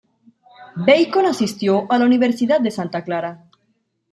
Bacon asistió a la Universidad de Santa Clara.